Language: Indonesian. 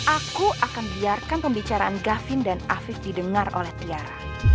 aku akan biarkan pembicaraan gavin dan afif didengar oleh tiara